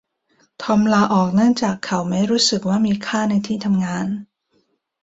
ทอมลาออกเนื่องจากเขาไม่รู้สึกว่ามีค่าในที่ทำงาน